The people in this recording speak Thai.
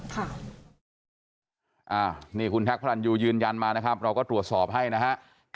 ค่ะนี่คุณแท็กพระรันยูยืนยันมานะครับเราก็ตรวจสอบให้นะฮะ